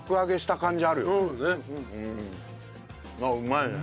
うまいね。